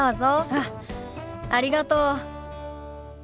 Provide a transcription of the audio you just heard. あっありがとう。